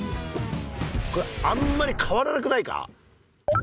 これあんまり変わらなくないか？